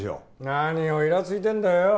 何をいらついてんだよ。